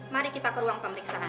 mari kita ke ruang pemeriksaan